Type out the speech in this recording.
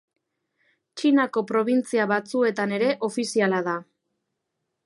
Txinako probintzia batzuetan ere ofiziala da.